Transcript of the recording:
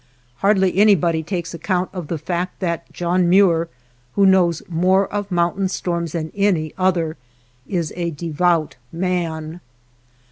Hardly anybody takes account of the fact that John Muir, who knows more of mountain storms than any other, is a devout man.